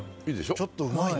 ちょっとうまいな。